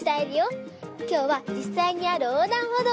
きょうはじっさいにあるおうだんほどうにきました！